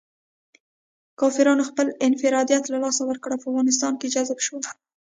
کافرانو خپل انفرادیت له لاسه ورکړ او په افغانستان کې جذب شول.